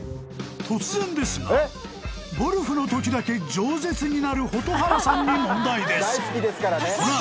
［突然ですがゴルフのときだけ冗舌になる蛍原さんに問題です］